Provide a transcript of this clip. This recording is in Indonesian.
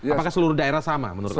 apakah seluruh daerah sama menurut anda